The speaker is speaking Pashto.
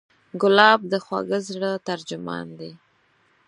ګلاب د خوږه زړه ترجمان دی.